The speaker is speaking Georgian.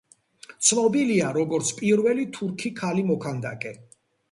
ცნობილია, როგორც პირველი თურქი ქალი მოქანდაკე.